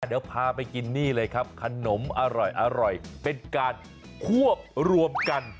เดี๋ยวพาไปกินนี่เลยครับขนมอร่อยเป็นการควบรวมกัน